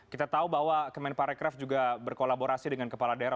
kita tahu bahwa kemenparekraf juga berkolaborasi dengan kepala daerah